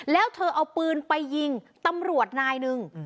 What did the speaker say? แล้วเธอเอาปืนไปยิงตำรวจนายหนึ่ง